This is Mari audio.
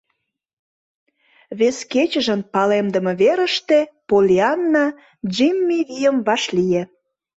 Вес кечыжын палемдыме верыште Поллианна Джимми Вийым вашлие.